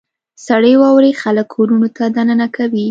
• سړې واورې خلک کورونو ته دننه کوي.